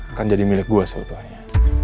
akan jadi milik gue sebetulnya